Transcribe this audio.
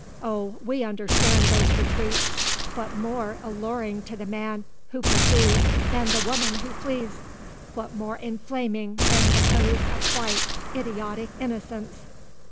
Oh, we understand those retreats. What more alluring to the man who pursues than the woman who flees? What more inflaming than the pose of white, idiotic innocence?